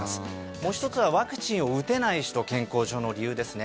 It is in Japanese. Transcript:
もう１つはワクチンを打てない人健康上の理由ですね。